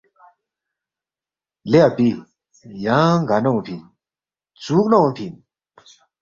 لے اپی یانگ گار نہ اونگفی اِن؟ ژُوکنا اونگفی اِن؟